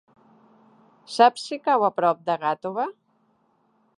Saps si cau a prop de Gàtova?